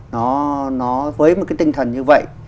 nó với một cái tinh thần như vậy